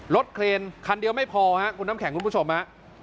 เคลนคันเดียวไม่พอครับคุณน้ำแข็งคุณผู้ชมฮะ